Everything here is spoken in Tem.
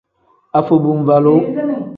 Afobuvalu.